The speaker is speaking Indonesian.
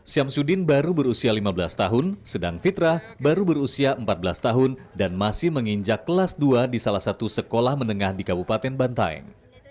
syamsuddin baru berusia lima belas tahun sedang fitrah baru berusia empat belas tahun dan masih menginjak kelas dua di salah satu sekolah menengah di kabupaten bantaeng